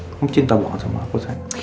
kamu cinta banget sama aku